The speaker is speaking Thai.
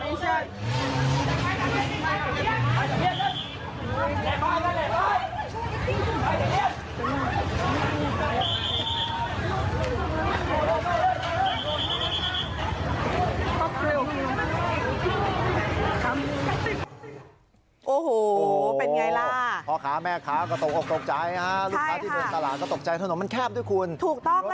โอ้โหเป็นไงล่ะพ่อค้าแม่ค้าก็ตกออกตกใจฮะลูกค้าที่โดนตลาดก็ตกใจถนนมันแคบด้วยคุณถูกต้อง